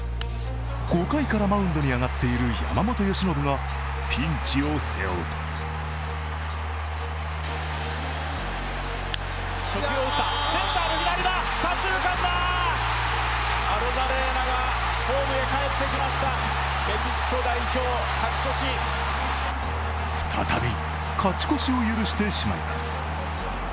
５回からマウンドに上がっている山本由伸がピンチを背負うと再び勝ち越しを許してしまいます。